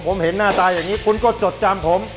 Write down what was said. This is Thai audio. ผมเห็นหน้าตาอย่างนี้คุณก็จดจำผม